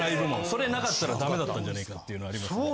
それなかったらダメだったんじゃねぇかっていうのありますね。